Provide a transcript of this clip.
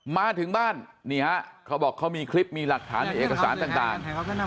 มาถึงบ้านนี่ฮะเขาบอกเขามีคลิปมีหลักฐานมีเอกสารต่าง